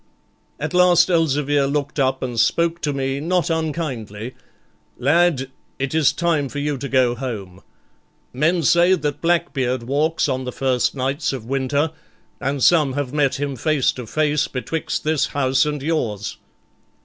At last Elzevir looked up and spoke to me, not unkindly, 'Lad, it is time for you to go home; men say that Blackbeard walks on the first nights of winter, and some have met him face to face betwixt this house and yours.'